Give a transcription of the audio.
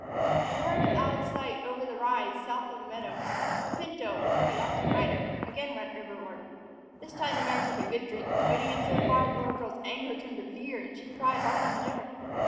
When the herd was out of sight over the rise south of the meadow, the pinto, with her reluctant rider, again went riverward. This time the mare took a good drink, wading in so far that the little girl's anger turned to fear and she cried harder than ever.